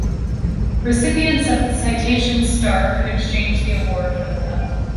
Recipients of the Citation Star could exchange the award for the medal.